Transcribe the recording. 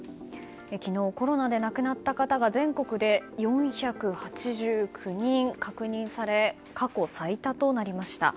昨日コロナで亡くなった方が全国で４８９人確認され、過去最多となりました。